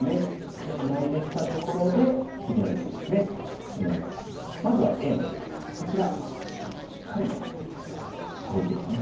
でツナいできたところで次の一手ですね。まずはＡのこちらしっかりとトブというかね。